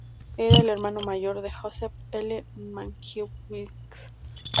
Era el hermano mayor de Joseph L. Mankiewicz.